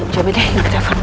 coba deh bawa telepon dulu